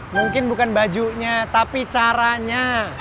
mungkin bukan bajunya tapi caranya